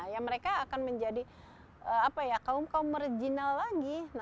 ya mereka akan menjadi apa ya kaum kaum marginal lagi nantinya